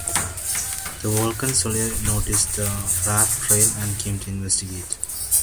The Vulcans only noticed the warp trail and came to investigate.